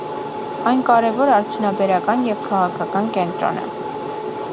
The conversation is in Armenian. Այն կարևոր արդյունաբերական և քաղաքական կենտրոն է։